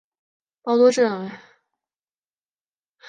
包多镇为缅甸若开邦实兑县的镇区。